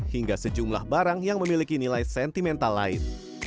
hingga sejumlah barang yang memiliki nilai sentimental lain